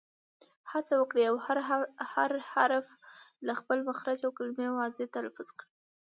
هڅه وکړئ، هر حرف له خپل مخرج او کلیمه واضیح تلفظ کړئ!